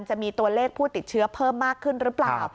จะมีตัวเลขผู้ติดเชื้อเพิ่มมากขึ้นหรือเปล่า